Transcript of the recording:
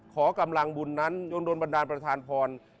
ขอกำลังบุญนั้นยังโดนบันดาลประธานพร